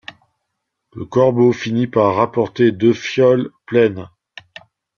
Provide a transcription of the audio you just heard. Le corbeau finit par rapporter deux fioles pleines.